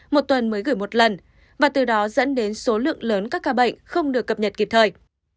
một tuần mới gửi một lần và từ đó dẫn đến số lượng lớn các ca bệnh không được cập nhật kịp thời